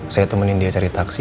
saya temenin dia cari taksi